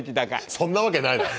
そんなわけないだろ。